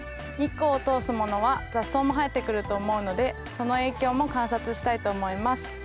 日光を通すものは雑草も生えてくると思うのでその影響も観察したいと思います。